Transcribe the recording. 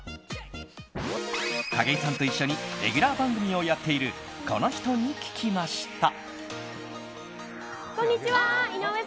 景井さんと一緒にレギュラー番組をやっているこの人に聞きました。